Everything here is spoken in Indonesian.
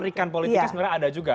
perikan politiknya sebenarnya ada juga